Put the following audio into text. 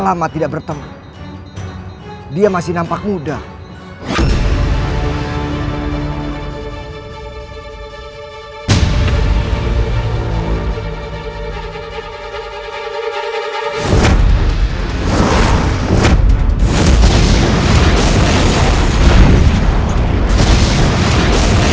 mereka bisa menempati tempat disana